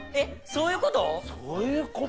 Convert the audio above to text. そういうこと？